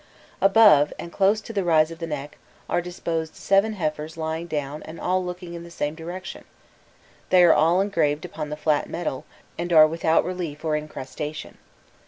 Above, and close to the rise of the neck, are disposed seven heifers lying down and all looking in the same direction: they are all engraved upon the flat metal, and are without relief or incrustation.